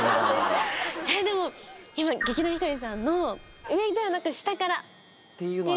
えっでも今の劇団ひとりさんの上ではなく下からっていうのが。